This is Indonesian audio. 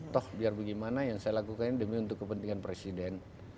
toh biar bagaimana yang saya lakukan ini demi untuk kepentingan presiden